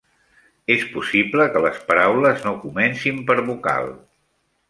És possible que les paraules no comencin per vocal.